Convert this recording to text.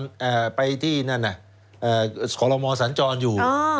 กรดไปที่ของรมศนจรอยู่